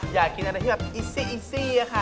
อยากกินอะไรที่แบบอิซี่อะคะ